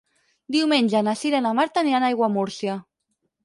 Diumenge na Cira i na Marta aniran a Aiguamúrcia.